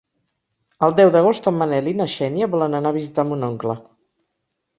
El deu d'agost en Manel i na Xènia volen anar a visitar mon oncle.